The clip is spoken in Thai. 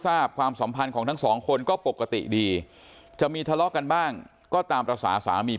ความสัมพันธ์ของทั้งสองคนก็ปกติดีจะมีทะเลาะกันบ้างก็ตามภาษาสามี